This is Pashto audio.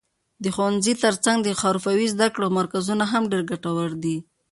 د ښوونځي تر څنګ د حرفوي زده کړو مرکزونه هم ډېر ګټور دي.